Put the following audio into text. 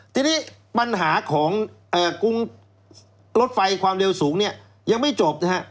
ทีนี้ปัญหาของกรุงรถไฟความเดินสูงเนี่ยอันยังไม่จบ